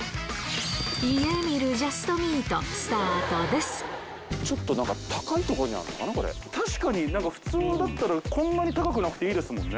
家見るジャストミート、スタートちょっとなんか、高い所にあ確かに、なんか普通だったら、こんなに高くなくていいですもんね。